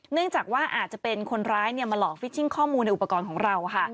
เนื่องจากว่าอาจจะเป็นคนร้ายมาหลอกฟิชชิงข้อมูลในอุปกรณ์ของเราค่ะ